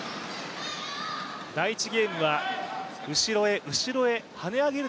第１ゲームは後ろへ後ろへはね上げる